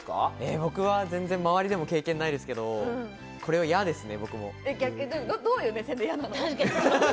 僕は全然経験ないですけれど、これは嫌ですね。